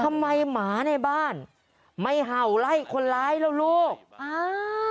หมาในบ้านไม่เห่าไล่คนร้ายแล้วลูกอ่า